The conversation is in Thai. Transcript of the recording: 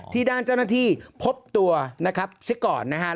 ที่ด้านเจ้าหน้าที่พบตัวซิกกรนะครับ